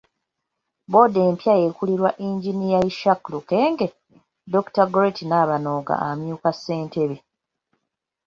Boodi empya ekulirwa Engineer Ishak Lukenge, Dr. Gorette Nabanoga amyuka Ssentebe.